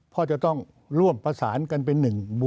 เพราะจะต้องร่วมประสานกันเป็น๑